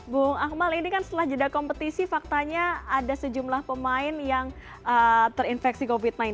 bu akmal ini kan setelah jeda kompetisi faktanya ada sejumlah pemain yang terinfeksi covid sembilan belas